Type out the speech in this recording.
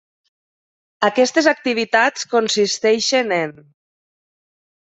Aquestes activitats consisteixen en: